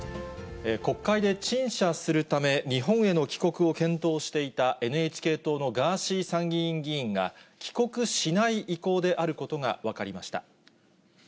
国会で陳謝するため、日本への帰国を検討していたＮＨＫ党のガーシー参議院議員が、帰国しない意向であることが分かりました。